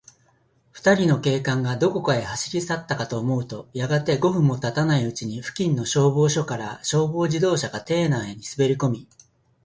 ふたりの警官が、どこかへ走りさったかと思うと、やがて、五分もたたないうちに、付近の消防署から、消防自動車が邸内にすべりこみ、